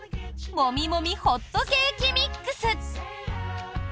もみもみホットケーキミックス。